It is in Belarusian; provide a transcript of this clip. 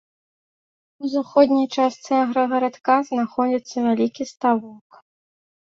У заходняй частцы аграгарадка знаходзіцца вялікі ставок.